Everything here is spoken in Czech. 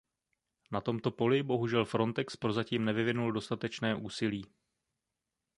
Na tomto poli bohužel Frontex prozatím nevyvinul dostatečné úsilí.